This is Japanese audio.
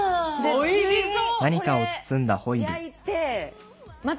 おいしそう。